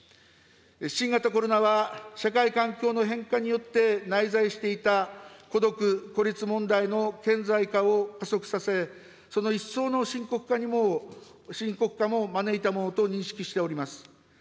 新型コロナは、社会環境の変化によって内在していた孤独・孤立問題の顕在化を加速させ、その一層の深刻化にも、深刻化も招いたものと認識しております。